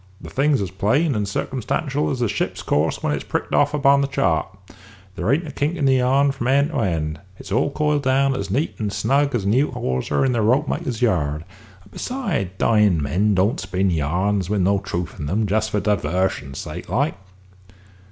The thing's as plain and circumstantial as the ship's course when it's pricked off upon the chart. There ain't a kink in the yarn from end to end; it's all coiled down as neat and snug as a new hawser in the ropemaker's yard; and besides, dyin' men don't spin yarns with no truth in 'em, just for divarsion's sake, like."